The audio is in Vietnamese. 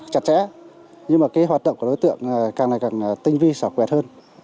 chặt chẽ nhưng mà cái hoạt động của đối tượng càng là càng tinh vi sảo quẹt hơn